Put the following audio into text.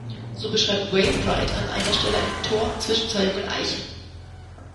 So beschreibt Wainwright an einer Stelle ein „Tor zwischen zwei jungen Eichen“.